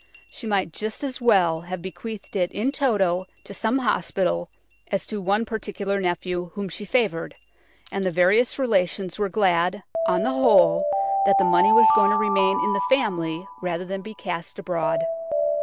She might just as well have bequeathed it in toto to some hospital as to one particular nephew whom she favoured, and the various relations were glad, on the whole, that the money was going to remain in the family rather than be cast abroad.